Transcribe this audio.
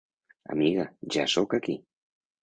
-Amiga, ja sóc aquí!